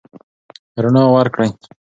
رڼا ورکړئ.